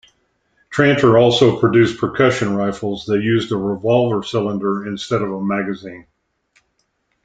Tranter also produced percussion rifles that used a revolver cylinder instead of a magazine.